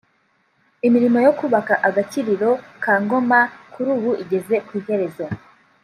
Imirimo yo kubaka agakiriro ka Ngoma kuri ubu igeze ku iherezo